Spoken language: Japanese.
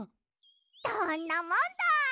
どんなもんだい！